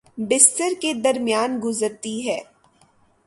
بستر کے درمیان گزرتی ہے